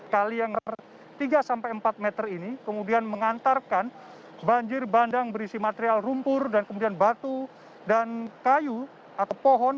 kali yang tiga sampai empat meter ini kemudian mengantarkan banjir bandang berisi material lumpur dan kemudian batu dan kayu atau pohon